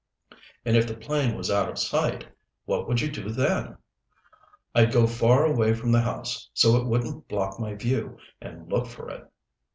"And if the plane was out of sight, what would you do then?" "I'd go far away from the house, so it wouldn't block my view, and look for it."